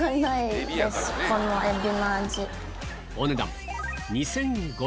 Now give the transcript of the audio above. お値段